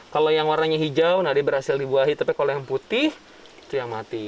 kalau yang warnanya hijau nadia berhasil dibuahi tapi kalau yang putih itu yang mati